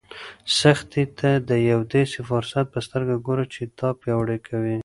سختۍ ته د یو داسې فرصت په سترګه ګوره چې تا پیاوړی کوي.